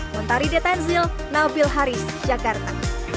montari detanzil nabil haris jakarta